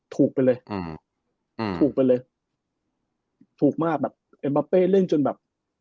ถูกไปเลยถูกมากเอ็มบาเปเล่นจนแบบ